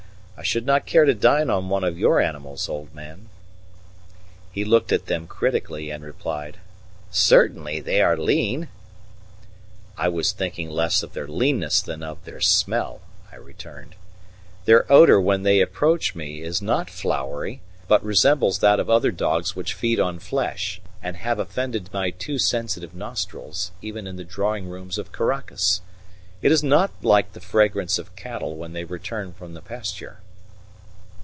I should not care to dine on one of your animals, old man." He looked at them critically and replied: "Certainly they are lean." "I was thinking less of their leanness than of their smell," I returned. "Their odour when they approach me is not flowery, but resembles that of other dogs which feed on flesh, and have offended my too sensitive nostrils even in the drawing rooms of Caracas. It is not like the fragrance of cattle when they return from the pasture."